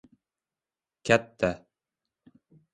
— Katta.